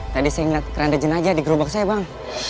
tadi saya ngeliat keranda jenajah di gerobak saya bang